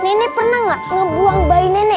nenek pernah enggak enggak buang bimbit recognizes